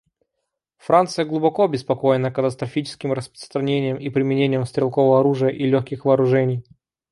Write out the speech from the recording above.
Франция глубоко обеспокоена катастрофическим распространением и применением стрелкового оружия и легких вооружений.